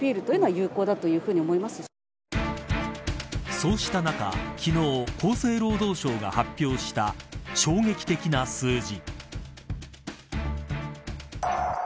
そうした中、昨日厚生労働省が発表した衝撃的な数字。